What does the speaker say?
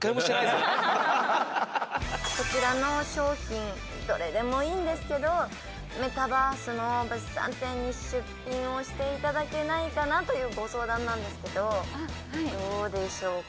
こちらの商品どれでもいいんですけどメタバースの物産展に出品をして頂けないかなというご相談なんですけどどうでしょうか？